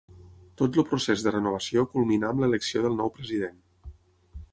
Tot el procés de renovació culminà amb l'elecció del nou president.